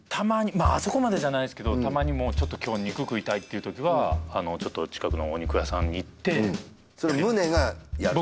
まああそこまでじゃないですけどたまにちょっと今日肉食いたいっていう時はちょっと近くのお肉屋さん行ってそれムネがやるの？